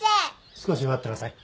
少し待ってなさい。